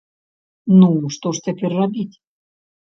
Ну, што ж цяпер рабіць?!